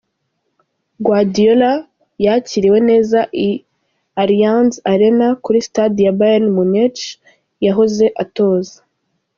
Guardiola yakiriwe neza i Arianz Arena kuri sitade ya Bayern Munchen yahoze atoza.